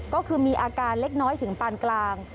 ก็คือมีอาการเล็กน้อยถึงปานกลาง